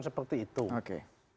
dipersepsikan seperti itu